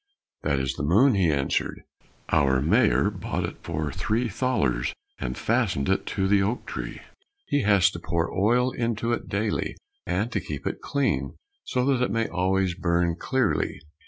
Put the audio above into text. "That is the moon," answered he; "our mayor bought it for three thalers, and fastened it to the oak tree. He has to pour oil into it daily, and to keep it clean, so that it may always burn clearly.